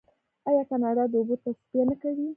آیا کاناډا د اوبو تصفیه نه کوي؟